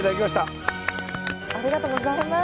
ありがとうございます。